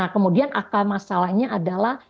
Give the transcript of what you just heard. kemudian akal masalahnya adalah